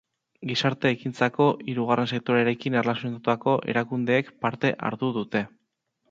Gizarte-ekintzako hirrugarren sektorearekin erlazionatutako erakundeek parte hartuko dute.